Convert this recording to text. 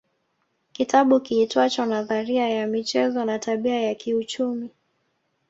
Kitabu kiitwacho nadharia ya michezo na tabia ya kiuchumi